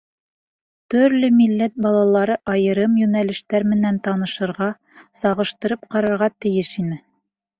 Төрлө милләт балалары айырым йүнәлештәр менән танышырға, сағыштырып ҡарарға тейеш ине.